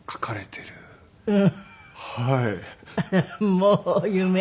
もう夢。